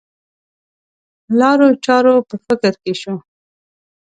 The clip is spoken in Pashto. لارو چارو په فکر کې شو.